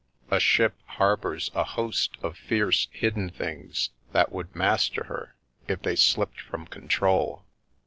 A ship harbours a host of fierce hid den things that would master her if they slipped from control.